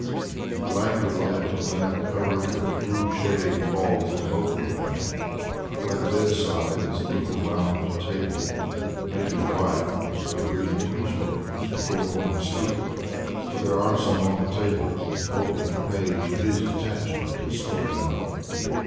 The languid light of a lamp covered with a blue shade falls on both of them. By the bed side is a little round table. The Major's wife must have been reading newspapers before going to sleep, for there are some on the table, open at the page where his detachment is spoken of.